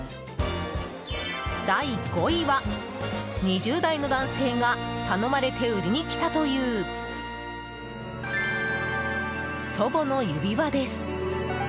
第５位は、２０代の男性が頼まれて売りに来たという祖母の指輪です。